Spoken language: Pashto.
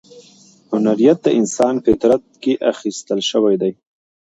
هنریت د انسان په فطرت کې اخښل شوی دی.